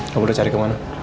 kamu udah cari ke mana